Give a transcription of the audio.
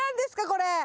これ。